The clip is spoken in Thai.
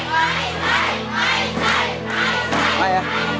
ไม่ใช้